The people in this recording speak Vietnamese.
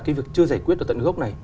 cái việc chưa giải quyết ở tận gốc này